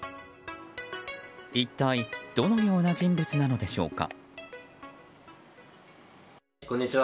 一体どのような人物なのでしょうか。